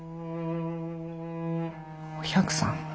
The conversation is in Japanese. お百さん。